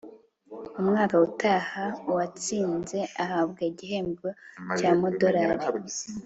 mumwaka utaha. uwatsinze ahabwa igihembo cyamadorari